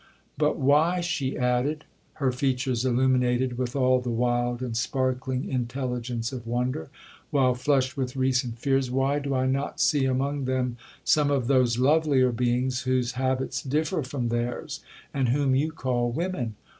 But why,' she added, her features illuminated with all the wild and sparkling intelligence of wonder, while flushed with recent fears, 'why do I not see among them some of those lovelier beings, whose habits differ from theirs, and whom you call women?